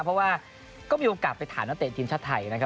เพราะว่าก็มีโอกาสไปถ่านเทียนช่าไทย